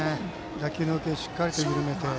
打球の勢いをしっかり緩めて。